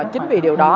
chính vì điều đó